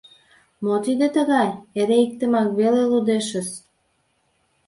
«Мо тиде тыгай: эре иктымак веле лудешыс?